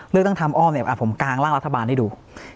เลือกตั้งทำอ้อมเนี่ยผมกางร่างรัฐบาลให้ดู